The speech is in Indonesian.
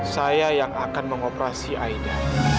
saya yang akan mengoperasi aida